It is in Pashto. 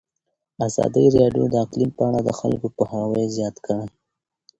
ازادي راډیو د اقلیم په اړه د خلکو پوهاوی زیات کړی.